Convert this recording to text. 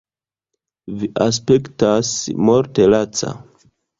Vi aspektas morte laca.